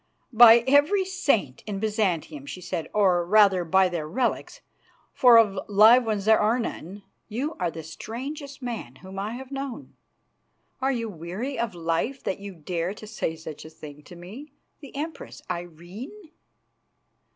"By every saint in Byzantium," she said, "or, rather, by their relics, for of live ones there are none, you are the strangest man whom I have known. Are you weary of life that you dare to say such a thing to me, the Empress Irene?"